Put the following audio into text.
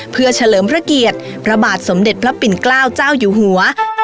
เพื่อเฉลิมพระเกียรติพระบาทสมเด็จพระปิ่นเกล้าเจ้าอยู่หัว